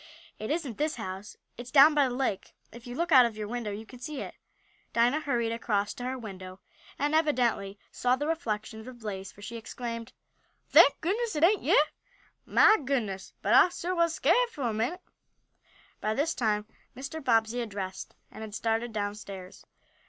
"It isn't this house. It's down by the lake. If you look out of your window you can see it." Dinah hurried across to her window, and evidently saw the reflection of the blaze, for she exclaimed: "Thank goodness it ain't yeah! Mah goodness, but I suah was skarit fo' a minute!" By this time Mr. Bobbsey had dressed, and had started downstairs.